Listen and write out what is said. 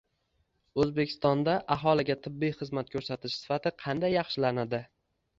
O‘zbekistonda aholiga tibbiy xizmat ko‘rsatish sifati qanday yaxshilanadi?